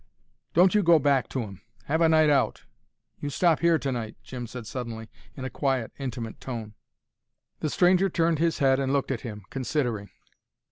"Don't you go back to 'em. Have a night out. You stop here tonight," Jim said suddenly, in a quiet intimate tone. The stranger turned his head and looked at him, considering.